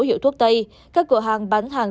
hiệu thuốc tây các cửa hàng bán hàng